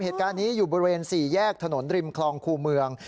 เหตุการณ์นี้อยู่บริเวณ๔แยกถนนริมคลองคู่เมือง